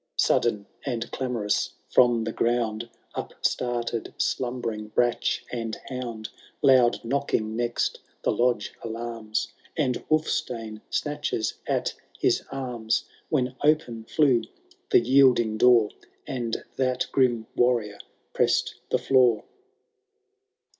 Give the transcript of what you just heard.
Sudden and clamorous, from the ground Upstarted slumbering brach and hound ; Loud knocking next the lodge alarms. And Wulfstane snatches at his arms, When open flew the yielding door. And that grim Warrior pressed the floor.